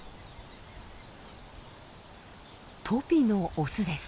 トピのオスです。